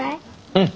うん。